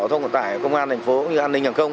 thông vận tải công an thành phố an ninh hàng không